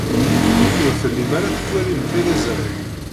Ur tellim ara tettwalim tiliẓri.